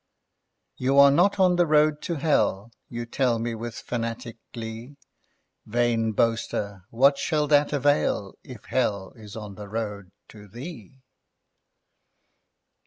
'You are not on the Road to Hell,' You tell me with fanatic glee: Vain boaster, what shall that avail If Hell is on the road to thee?